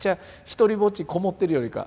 独りぼっちこもってるよりか